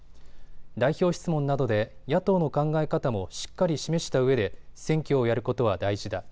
代表質問などで野党の考え方もしっかり示したうえで選挙をやることは大事だ。